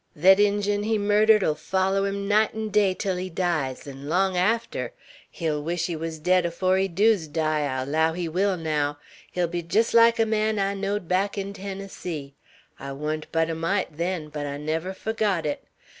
Thet Injun he murdered 'll foller him night 'n' day, till he dies, 'n' long arter; he'll wish he wuz dead afore he doos die, I allow he will, naow. He'll be jest like a man I knowed back in Tennessee. I wa'n't but a mite then, but I never forgot it.